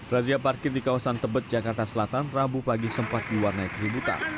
razia parkir di kawasan tebet jakarta selatan rabu pagi sempat diwarnai keributan